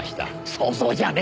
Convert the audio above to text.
想像じゃね。